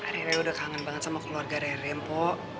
rere udah kangen banget sama keluarga rere empok